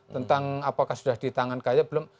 tentang apakah sudah di tangan kay belum